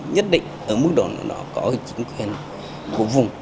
nhất định ở mức độ nào đó có chính quyền của vùng